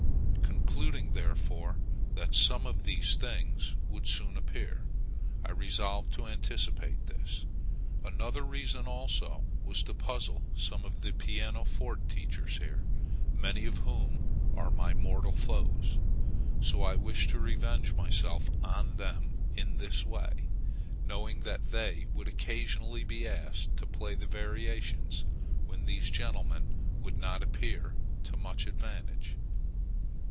Concluding, therefore, that some of these things would soon appear, I resolved to anticipate this. Another reason also was to puzzle some of the pianoforte teachers here, many of whom are my mortal foes; so I wished to revenge myself on them in this way, knowing that they would occasionally be asked to play the variations, when these gentlemen would not appear to much advantage.